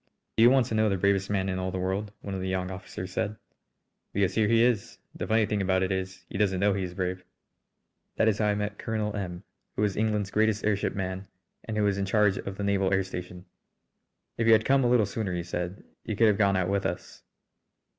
"Do you want to know the bravest man in all the world?" one of the young officers said. "Because here he is. The funny thing about it is he doesn't know he is brave." That is how I met Colonel M , who is England's greatest airship man and who is in charge of the naval air station. "If you had come a little sooner," he said, "you could have gone out with us."